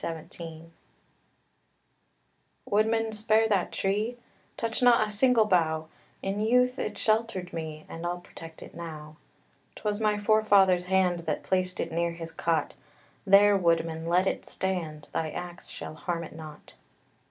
[See Notes] Woodman, spare that tree! Touch not a single bough! In youth it sheltered me, And I'll protect it now. 'Twas my forefather's hand That placed it near his cot; There, woodman, let it stand, Thy axe shall harm it not.